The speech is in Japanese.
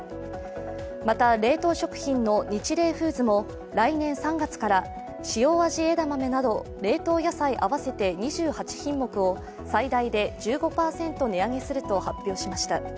また冷凍食品のニチレイフーズも来年３月から、塩あじ枝豆など冷凍野菜合わせて２８品目を最大で１５％値上げすると発表しました。